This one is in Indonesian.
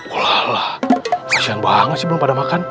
olah olah kasian banget sih belum pada makan